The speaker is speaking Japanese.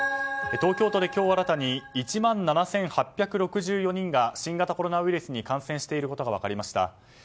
東京都で今日新たに１万７８６４人が新型コロナウイルスに感染していることが分かりました。